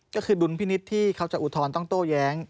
ก็คือดุลพินิษฐ์ที่เขาจะอุทธรณ์ต้องโต้แย้ง